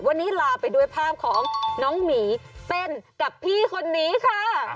วันนี้ลาไปด้วยภาพของน้องหมีเต้นกับพี่คนนี้ค่ะ